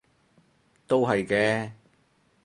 都係嘅